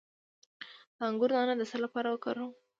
د انګور دانه د څه لپاره وکاروم؟